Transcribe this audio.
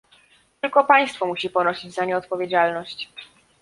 Tylko państwo musi ponosić za nie odpowiedzialność